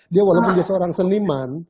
dia walaupun dia seorang seniman